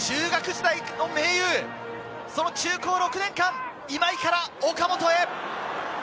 中学時代の盟友、中高６年間、今井から岡本へ。